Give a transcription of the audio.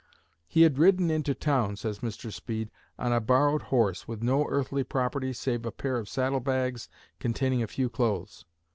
"He had ridden into town," says Mr. Speed, "on a borrowed horse, with no earthly property save a pair of saddle bags containing a few clothes.